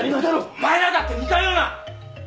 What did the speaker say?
お前らだって似たような。